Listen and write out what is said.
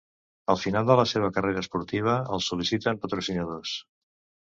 Al final de la seva carrera esportiva, el sol·liciten patrocinadors.